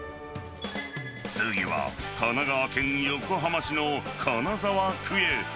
次は、神奈川県横浜市の金沢区へ。